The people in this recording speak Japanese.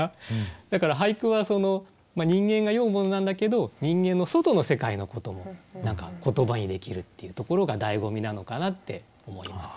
だから俳句は人間が詠むものなんだけど人間の外の世界のことも言葉にできるっていうところがだいご味なのかなって思います。